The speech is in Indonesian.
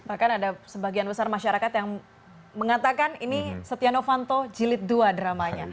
bahkan ada sebagian besar masyarakat yang mengatakan ini setia novanto jilid dua dramanya